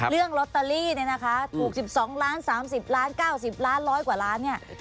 เรื่องลอตเตอรี่เนี่ยนะคะถูก๑๒ล้าน๓๐ล้าน๙๐ล้าน๑๐๐กว่าล้านเนี่ย